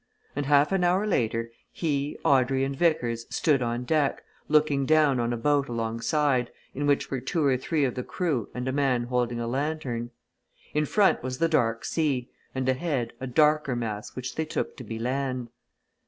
And half an hour later, he, Audrey and Vickers, stood on deck, looking down on a boat alongside, in which were two or three of the crew and a man holding a lanthorn. In front was the dark sea, and ahead a darker mass which they took to be land.